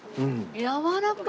やわらかい！